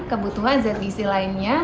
kebutuhan zat gizi lainnya